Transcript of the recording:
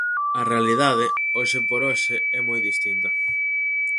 A realidade, hoxe por hoxe, é moi distinta.